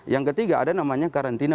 yang ketiga ada namanya karantina